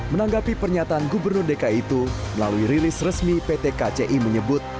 menanggapi pernyataan gubernur dki itu melalui rilis resmi pt kci menyebut